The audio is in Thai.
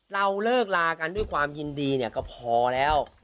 เราเลิกลากันด้วยความยินดีเนี่ยก็พอแล้ว